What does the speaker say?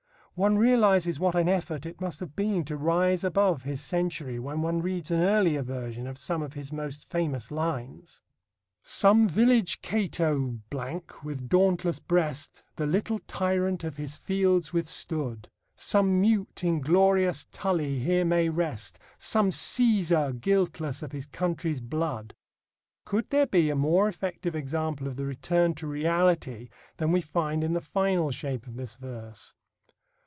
One realizes what an effort it must have been to rise above his century when one reads an earlier version of some of his most famous lines: Some village Cato () with dauntless breast The little tyrant of his fields withstood; Some mute, inglorious Tully here may rest; Some Cæsar guiltless of his country's blood. Could there be a more effective example of the return to reality than we find in the final shape of this verse?